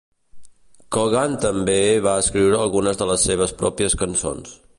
Cogan també va escriure algunes de les seves pròpies cançons.